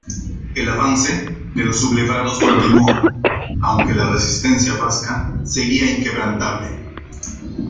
El avance de los sublevados continuó, aunque la resistencia vasca seguía inquebrantable.